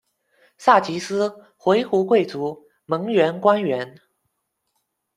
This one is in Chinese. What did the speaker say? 撒吉思，回鹘贵族，蒙元官员。